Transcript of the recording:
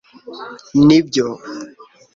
nibyo